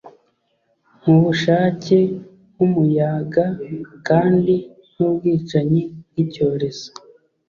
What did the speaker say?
Nkubushake nkumuyaga kandi nkubwicanyi nkicyorezo